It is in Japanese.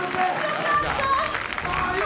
よかった。